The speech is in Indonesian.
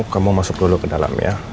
kamu masuk dulu ke dalam ya